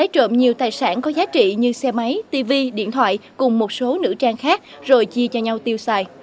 trộm nhiều tài sản có giá trị như xe máy tv điện thoại cùng một số nữ trang khác rồi chia cho nhau tiêu xài